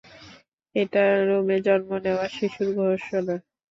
এটা রোমে জন্ম নেওয়া শিশুর ঘোষণা।